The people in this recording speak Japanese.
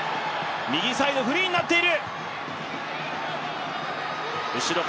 右サイドフリーになっている！